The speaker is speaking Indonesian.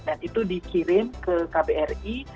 dan itu dikirim ke kbri